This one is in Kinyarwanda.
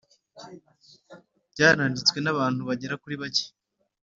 byaranditswe n abantu bagera kuri bake